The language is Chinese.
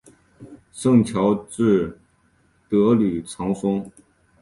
圣乔治德吕藏松。